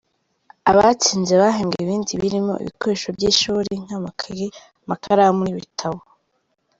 Abatsinze bahembwe ibindi birimo ibikoresho by’ishuri nk’amakaye, amakaramu n’ibitabo.